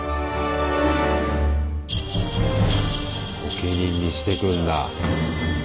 御家人にしてくんだ。